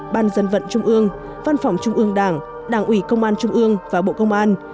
ban dân vận trung ương văn phòng trung ương đảng đảng ủy công an trung ương và bộ công an